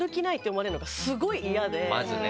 まずね。